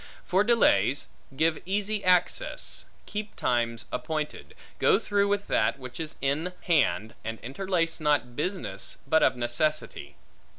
For delays: give easy access; keep times appointed; go through with that which is in hand, and interlace not business, but of necessity.